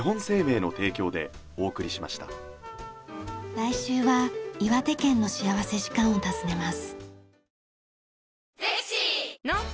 来週は岩手県の幸福時間を訪ねます。